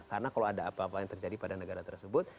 karena kalau ada apa apa yang terjadi pada negara tersebut